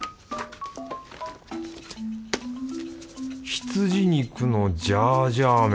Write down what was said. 羊肉のジャージャー麺。